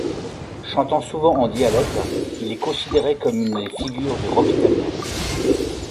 Chantant souvent en dialecte, il est considéré comme l'une des figures du rock italien.